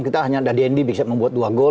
kita hanya dandy bixep membuat dua gol